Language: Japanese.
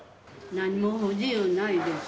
なんも不自由ないです。